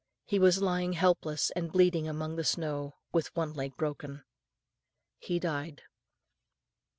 He was lying helpless and bleeding among the snow, with one leg broken. He died."